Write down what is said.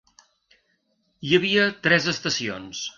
Hi havia tres estacions.